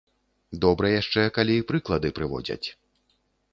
Добра яшчэ, калі прыклады прыводзяць.